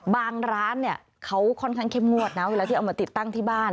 ร้านเนี่ยเขาค่อนข้างเข้มงวดนะเวลาที่เอามาติดตั้งที่บ้าน